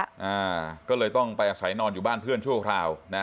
อ่าก็เลยต้องไปอาศัยนอนอยู่บ้านเพื่อนชั่วคราวนะ